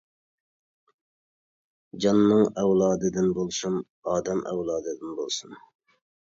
جاننىڭ ئەۋلادىدىن بولسۇن، ئادەم ئەۋلادىدىن بولسۇن.